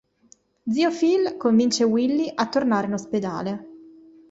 Zio Phil convince Willy a tornare in ospedale.